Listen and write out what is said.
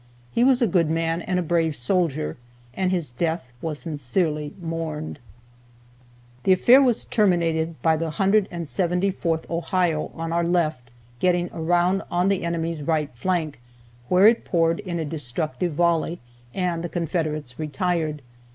He was a good man, and a brave soldier, and his death was sincerely mourned. The affair was terminated by the 174th Ohio on our left getting around on the enemy's right flank, where it poured in a destructive volley, and the Confederates retired.